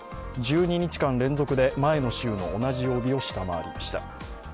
１２日間連続で前の週の同じ曜日を下回りました。